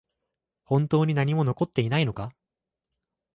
本当に何も残っていないのか？